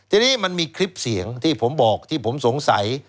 ทีนี้มันมีคลิปเสียงที่ผมบอกที่ผมสงสัย